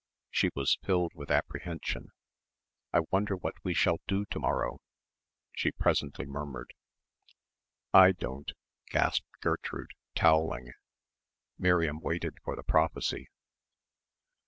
She was filled with apprehension. "I wonder what we shall do to morrow," she presently murmured. "I don't," gasped Gertrude, towelling. Miriam waited for the prophecy.